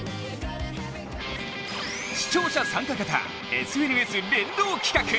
視聴者参加型、ＳＮＳ連動企画！